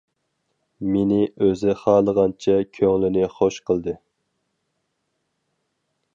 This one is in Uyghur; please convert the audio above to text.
مېنى ئۆزى خالىغانچە كۆڭلىنى خوش قىلدى.